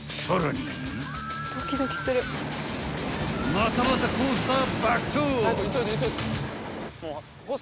［またまたコースター］